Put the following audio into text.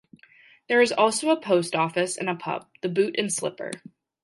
There is also a post office and a pub, "The Boot and Slipper".